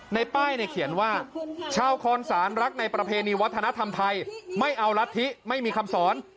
ในป้ายเนี่ยเขียนว่าชาวคอนสารรักในประเพณีวัฒนธรรมไทยไม่เอารัฐธิไม่มีคำสอน